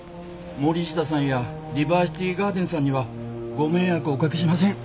森下さんやディバーシティガーデンさんにはご迷惑おかけしません。